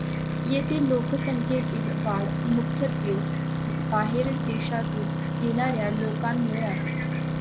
येथील लोकसंख्येतील वाढ मुख्यत्वे बाहेरदेशातून येणाऱ्या लोकांमुळे आहे.